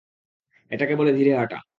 এটাকে বলে ধীরে হাটা।